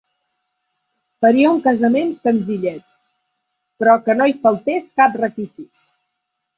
Faria un casament senzillet, però que no hi faltés cap requisit.